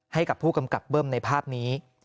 ให้กับผู้กำกับเบิ้มในภาพนี้